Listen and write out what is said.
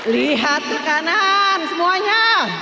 lihat ke kanan semuanya